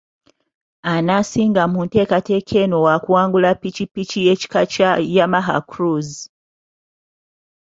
Anaasinga mu nteekateeka eno waakuwangula pikipiki ekika kya Yamaha Crux.